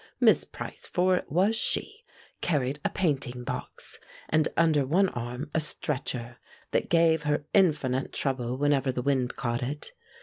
Miss Price, for it was she, carried a painting box, and under one arm a stretcher that gave her infinite trouble whenever the wind caught it.